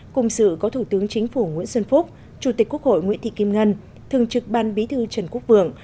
cùng sự có thủ tướng chính phủ nguyễn xuân phúc chủ tịch quốc hội nguyễn thị kim ngân thường trực ban bí thư trần quốc vượng